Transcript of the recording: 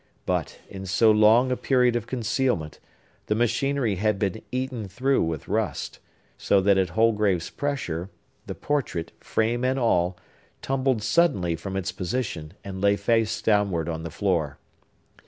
But, in so long a period of concealment, the machinery had been eaten through with rust; so that at Holgrave's pressure, the portrait, frame and all, tumbled suddenly from its position, and lay face downward on the floor.